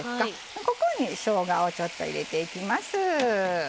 ここにしょうがをちょっと入れていきます。